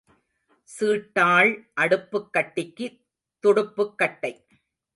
சீட்டாள், அடுப்புக் கட்டிக்கு, துடுப்புக் கட்டை.